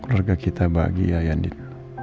keluarga kita bahagia yandir